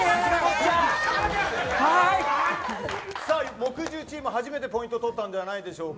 木１０チーム初めてポイントを取ったのではないでしょうか。